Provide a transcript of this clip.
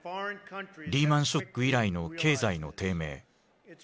リーマンショック以来の経済の低迷。